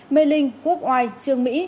mê linh quốc oai trường mỹ